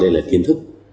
đây là kiến thức